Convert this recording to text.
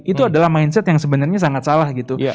itu adalah mindset yang sebenarnya sangat salah gitu